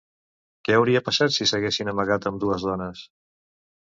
Què hauria passat si s'haguessin amargat ambdues dones?